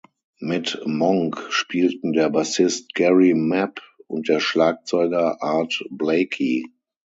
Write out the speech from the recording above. Mit Monk spielten der Bassist Gary Mapp und der Schlagzeuger Art Blakey.